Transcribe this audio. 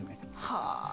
はあ。